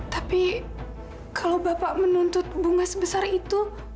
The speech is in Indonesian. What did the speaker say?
tapi kalau bapak menuntut bunga sebesar itu